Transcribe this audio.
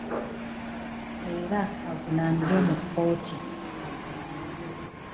Era avunaanibwe mu kkooti avunaanibwe.